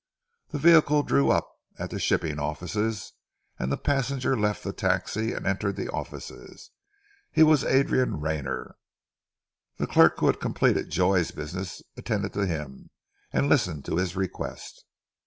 The vehicle drew up at the shipping offices, and the passenger left the taxi and entered the offices. He was Adrian Rayner. The clerk who had completed Joy's business attended to him and listened to his request.